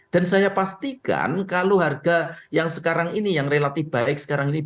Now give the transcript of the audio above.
dan saya pastikan kalau harga yang sekarang ini yang relatif baik sekarang ini